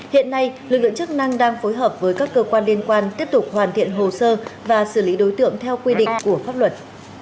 hiện nay lực lượng chức năng đang phối hợp với các cơ quan liên quan tiếp tục hoàn thiện hồ sơ và xử lý đối tượng theo quy định của pháp luật